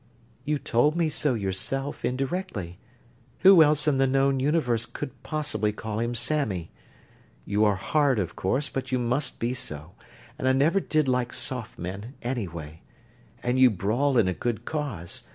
"You told me so yourself, indirectly. Who else in the known Universe could possibly call him 'Sammy'? You are hard, of course, but you must be so and I never did like soft men, anyway. And you brawl in a good cause.